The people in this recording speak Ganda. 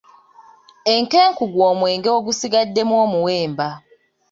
Enkenku gw'omwenge ogusigaddemu omuwemba.